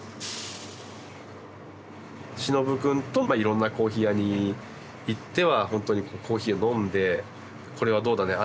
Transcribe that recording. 忍くんといろんなコーヒー屋に行ってはほんとにコーヒーを飲んでこれはどうだねああ